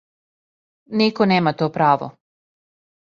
Нико нема то право.